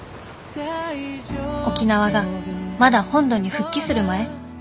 沖縄がまだ本土に復帰する前。